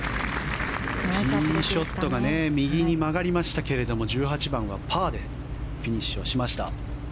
ティーショットが右に曲がりましたけれども１８番はパーでフィニッシュしました。